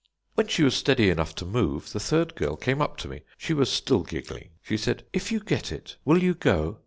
"When she was steady enough to move, the third girl came up to me; she was still giggling. She said: "'If you get it, will you go?'